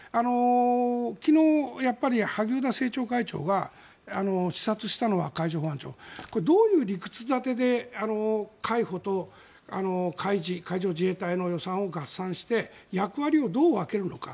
昨日、萩生田政調会長が海上保安庁を視察したのはどういう理屈立てで海保と海上自衛隊の予算を合算して役割をどう分けるのか。